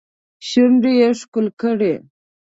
شونډې ښکل کړي